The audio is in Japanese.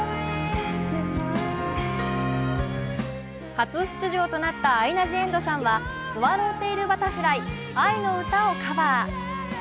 初出場となったアイナ・ジ・エンドさんは「ＳｗａｌｌｏｗｔａｉｌＢｕｔｔｅｒｆｌｙあいのうた」をカバー。